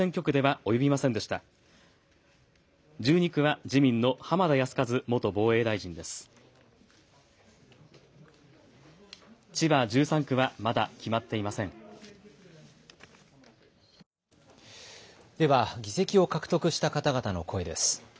では議席を獲得した方々の声です。